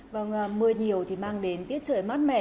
vâng mưa nhiều thì mang đến tiết trời mát mẻ